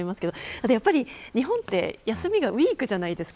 あとやっぱり日本って休みがウイークじゃないですか。